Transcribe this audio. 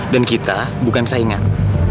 dan kita bukan saingan